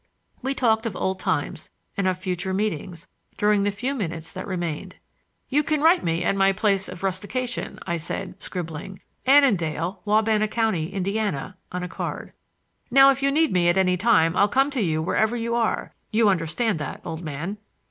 We talked of old times, and of future meetings, during the few minutes that remained. "You can write me at my place of rustication," I said, scribbling "Annandale, Wabana County, Indiana," on a card. "Now if you need me at any time I'll come to you wherever you are. You understand that, old man.